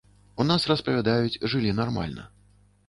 У нас распавядаюць, жылі нармальна.